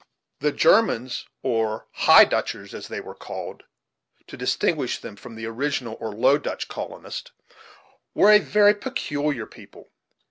The Germans, or "High Dutchers," as they were called, to distinguish them from the original or Low Dutch colonists, were a very peculiar people.